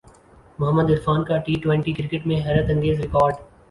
محمد عرفان کا T twenty cricket میں حیرت انگیز ریکارڈ